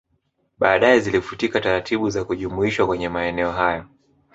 Baadae zilifuata taratibu za kujumuishwa kwenye maeneo hayo